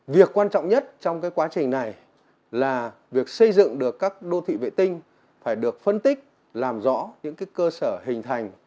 việc quan trọng nhất trong quá trình này là việc xây dựng được các đô thị vệ tinh phải được phân tích làm rõ những cơ sở hình thành